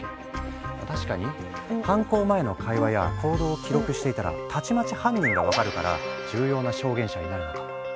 確かに犯行前の会話や行動を記録していたらたちまち犯人が分かるから重要な証言者になるのかも。